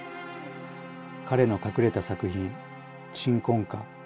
彼の隠れた作品「鎮魂歌」。